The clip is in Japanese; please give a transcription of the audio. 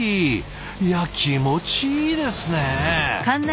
いや気持ちいいですね。